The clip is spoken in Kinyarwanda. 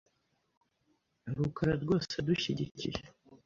rukara rwose adushyigikiye .